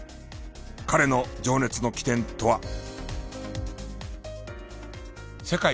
彼の情熱の起点とは。